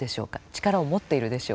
力を持っているでしょうか？